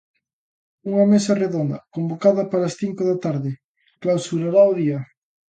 Unha mesa redonda, convocada para as cinco da tarde, clausurará o día.